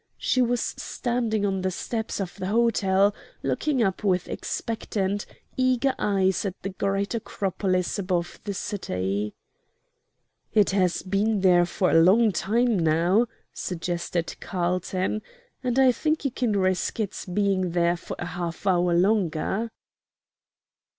She was standing on the steps of the hotel, looking up with expectant, eager eyes at the great Acropolis above the city. "It has been there for a long time now," suggested Carlton, "and I think you can risk its being there for a half hour longer."